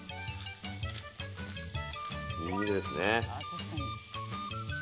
いいですね。